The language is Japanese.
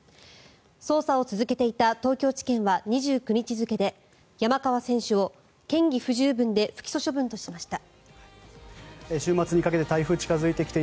捜査を続けていた東京地検は２９日付で山川選手を嫌疑不十分で不起訴処分としました。